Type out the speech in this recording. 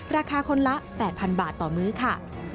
ราคาคนละ๘๐๐บาทต่อมื้อค่ะ